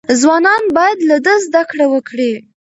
ځوانان باید له ده زده کړه وکړي.